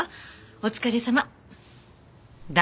お疲れさま。